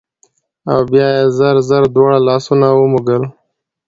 او بيا يې زر زر دواړه لاسونه ومږل